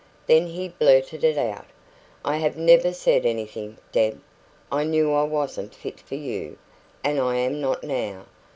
Then he blurted it out. "I have never said anything, Deb. I knew I wasn't fit for you, and. I am not now.